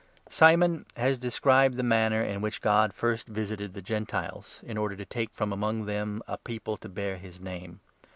Simon 14 has described the manner in which God first visited the Gentiles, in order to take from among them a people to bear his Name.